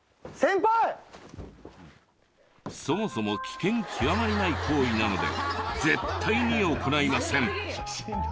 そもそも危険極まりない行為なので絶対に行ないません。